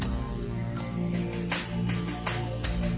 เวลาไห้พอใส่เวลาที่ไห้หน่อย